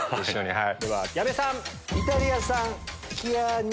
はい。